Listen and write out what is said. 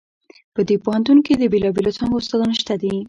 په دې پوهنتون کې د بیلابیلو څانګو استادان شته دي